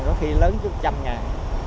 có khi lớn chút một trăm linh ngàn